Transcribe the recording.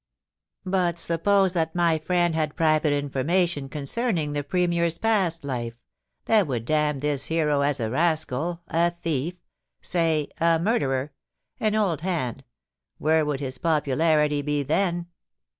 But suppose that my friend had private infor mation concerning the Premier's past life, that would damn this hero as a rascal, a thief, say — a murderer — an old hand — where would his popularity be then